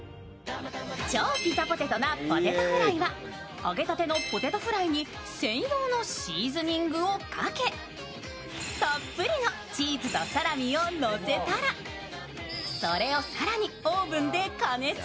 超ピザポテトなポテトフライは揚げたてのポテトフライに専用のシーズニングをかけたっぷりのチーズとサラミを乗せたらそれを更にオーブンで加熱。